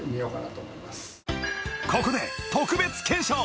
ここで特別検証！